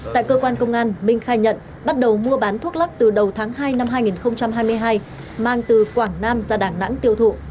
tại cơ quan công an minh khai nhận bắt đầu mua bán thuốc lắc từ đầu tháng hai năm hai nghìn hai mươi hai mang từ quảng nam ra đà nẵng tiêu thụ